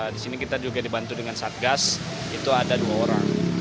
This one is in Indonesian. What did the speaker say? di sini kita juga dibantu dengan satgas itu ada dua orang